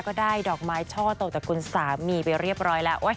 ก็ได้ดอกไม้ช่อตกจากคุณสามีไปเรียบร้อยแล้ว